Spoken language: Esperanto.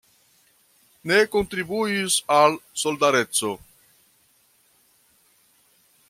Ne kontribuis al Solidareco.